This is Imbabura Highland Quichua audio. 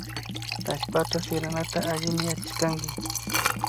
Tallpata siranata allimi yachashkanki